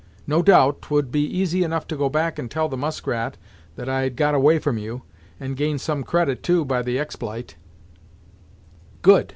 No doubt, 'twould be easy enough to go back and tell the Muskrat that I had got away from you, and gain some credit, too, by the expl'ite." "Good.